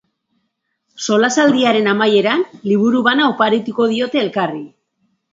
Solasaldiaren amaieran, liburu bana oparituko diote elkarri.